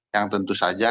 yang tentu saja